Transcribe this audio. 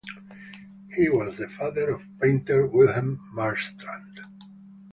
He was the father of painter Wilhelm Marstrand.